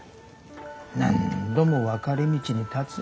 何度も分かれ道に立つ。